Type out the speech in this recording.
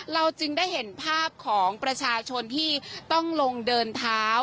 เราจึงได้เห็นภาพของประชาชนที่ต้องลงเดินเท้า